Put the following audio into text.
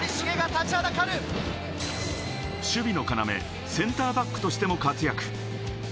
守備の要センターバックとしても活躍。